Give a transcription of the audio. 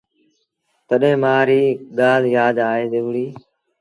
تڏهيݩ مآ ريٚ ڳآل يآد آئي وُهڙي۔